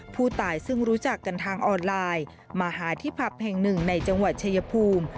ผู้ตายซึ่งรู้จักกันทางออนไลน์มาหาที่ผับแห่งหนึ่งในจังหวัดชายภูมิ